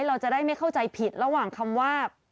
เราจะได้ไม่เข้าใจผิดระหว่างคำว่า